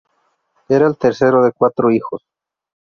Era el tercero de cuatro hijos.